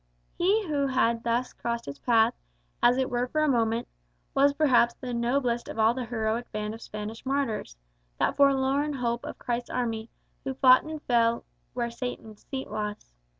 He who had thus crossed his path, as it were for a moment, was perhaps the noblest of all the heroic band of Spanish martyrs, that forlorn hope of Christ's army, who fought and fell "where Satan's seat was."